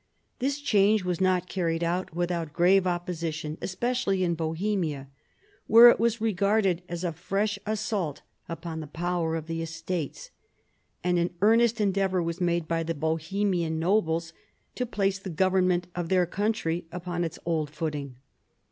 This change was not carried out without grave opposition, especially in Bohemia, where it was regarded as a fresh assault upon the power of the Estates ; and an earnest endeavour was made by the Bohemian nobles to place the government of their country upon its old footing.